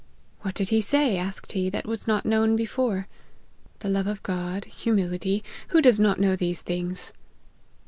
' What did he say,' asked he, ' that was not known before : the love of God, humility, who does not know these things